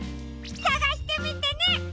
さがしてみてね！